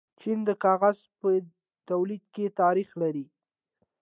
چین د کاغذ په تولید کې تاریخ لري.